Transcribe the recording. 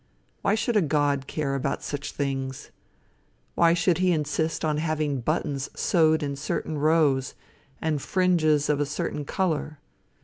Why should a God care about such things? Why should he insist on having buttons sewed in certain rows, and fringes of a certain color?